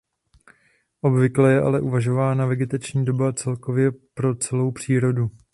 Obvykle je ale uvažována vegetační doba celkově pro celou přírodu.